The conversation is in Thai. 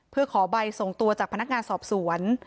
เพื่อขอใบส่งตัวจากพนักงานสอบสวน